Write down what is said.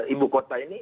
ibu kota ini